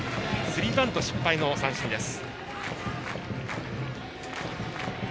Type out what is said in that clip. スリーバント失敗の三振です。